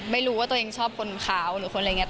ไม่รู้ว่าตัวเองชอบคนขาวหรือคนอะไรอย่างนี้